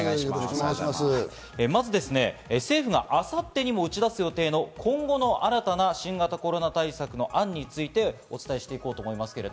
まず政府が明後日にも打ち出す予定の今後の新たな新型コロナ対策の案について、お伝えしていきます。